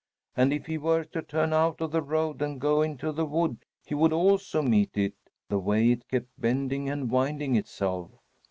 And if he were to turn out of the road and go into the wood, he would also meet it, the way it kept bending and winding itself!